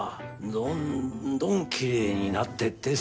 どんどんきれいになっていってさ。